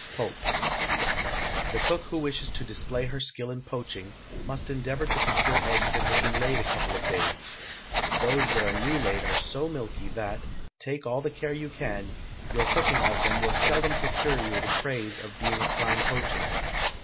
POPE. The cook who wishes to display her skill in poaching, must endeavor to procure eggs that have been laid a couple of days; those that are new laid are so milky, that, take all the care you can, your cooking of them will seldom procure you the praise of being a prime poacher.